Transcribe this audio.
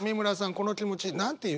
この気持ち何て言う？